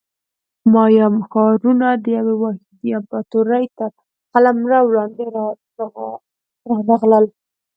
مایا ښارونه د یوې واحدې امپراتورۍ تر قلمرو لاندې رانغلل